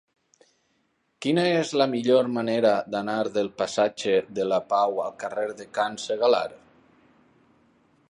Quina és la millor manera d'anar del passatge de la Pau al carrer de Can Segalar?